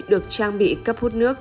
được trang bị cấp hút nước